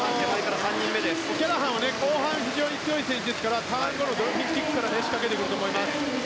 オキャラハンは後半に非常に強い選手ですからターン後のドルフィンキックから仕掛けてくると思います。